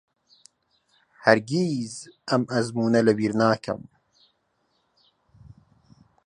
هەرگیز ئەم ئەزموونە لەبیر ناکەم.